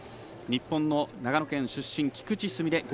日本の長野県出身、菊池純礼。